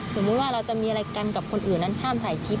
สมมุติว่าเราจะมีอะไรกันกับคนอื่นนั้นห้ามถ่ายคลิป